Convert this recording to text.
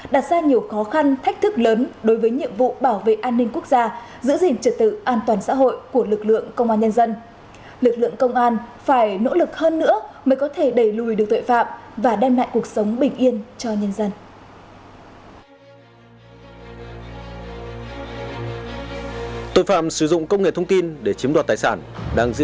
đặt ra nhiều khó khăn thách thức lớn đối với nhiệm vụ bảo vệ an ninh quốc gia giữ gìn trật tự an toàn xã hội của lực lượng công an nhân dân